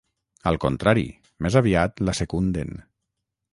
Al contrari, més aviat la secunden.